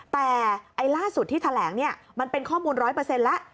แต่ล่าสุดที่แถลงเนี่ยมันเป็นข้อมูล๑๐๐แล้ว